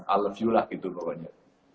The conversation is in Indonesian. i love you lah gitu pokoknya